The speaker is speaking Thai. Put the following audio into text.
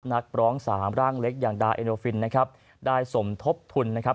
นักร้องสามร่างเล็กอย่างดาเอโนฟินนะครับได้สมทบทุนนะครับ